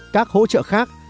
các hỗ trợ khác